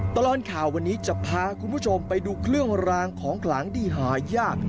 ตลอดข่าววันนี้จะพาคุณผู้ชมไปดูเครื่องรางของขลังที่หายาก